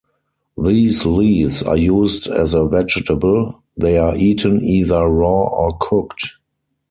These leaves are used as a vegetable; they are eaten either raw or cooked.